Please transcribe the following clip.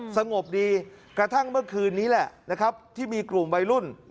สงบดีกระทั่งเมื่อคืนนี้แหละนะครับที่มีกลุ่มวัยรุ่น